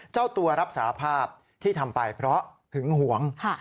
เจ้าตัวรับสารภาพที่ทำไปเพราะหึงหวง